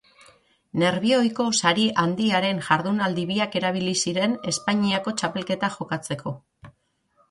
Nerbioiko Sari Handiaren jardunaldi biak erabili ziren Espainiako txapelketa jokatzeko.